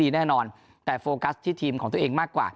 แน่นอนแต่โฟกัสที่ทีมของตัวเองมากกว่า